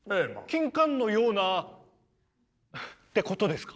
キンカンのようなってことですか？